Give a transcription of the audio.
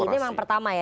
itu memang pertama ya